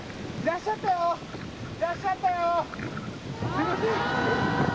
すみません。